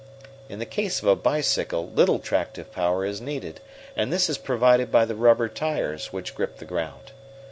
In the case of a bicycle little tractive power is needed, and this is provided by the rubber tires, which grip the ground.